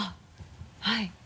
はい。